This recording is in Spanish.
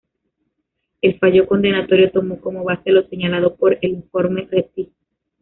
El fallo condenatorio tomó como base lo señalado por el Informe Rettig.